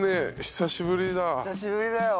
久しぶりだよ。